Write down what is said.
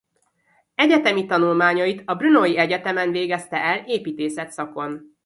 Egyetemi tanulmányait a Brnói Egyetemen végezte el építészet szakon.